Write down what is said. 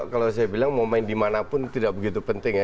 kalau saya bilang mau main di mana pun tidak begitu penting ya